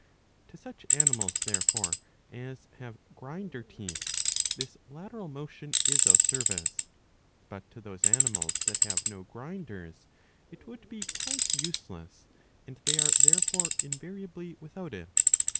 To such animals, therefore, as have grinder teeth this lateral motion is of service ; but to those animals that have no grinders it would be quite useless, and they are therefore invariably without it.